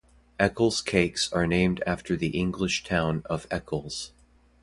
Eccles cakes are named after the English town of Eccles.